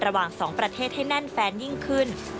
ระหว่างสองประเทศให้แน่นแฟนยิ่งขึ้น